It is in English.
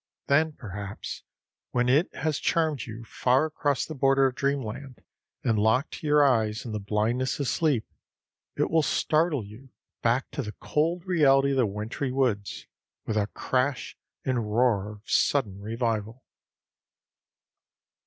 Then, perhaps, when it has charmed you far across the border of dreamland and locked your eyes in the blindness of sleep, it will startle you back to the cold reality of the wintry woods with a crash and roar of sudden revival.